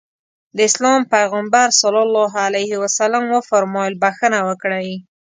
د اسلام پيغمبر ص وفرمايل بښنه وکړئ.